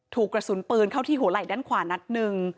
ถูกกระสุนปืนเข้าที่หัวไหล่ด้านขวานัดหนึ่ง